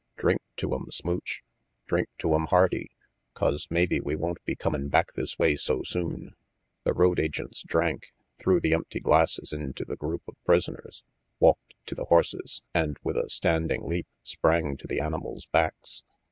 "Drink to 'em, Smooch. Drink to 'em hearty, 'cause maybe we won't be comin' back this way so soon." The road agents drank, threw the empty glasses into the group of prisoners, walked to the horses, and with a standing leap sprang to the animals' backs.